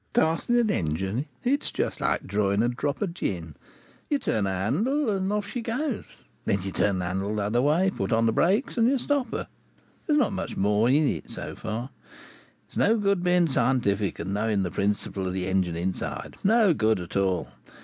Starting a engine, it's just like drawing a drop of gin. You turn a handle and off she goes; then you turn the handle the other way, put on the brakes, and you stop her. There's not much more in it, so far. It's no good being scientific and knowing the principle of the engine inside; no good at all.